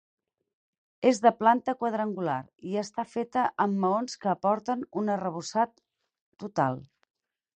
És de planta quadrangular i està feta amb maons que aporten un arrebossat total.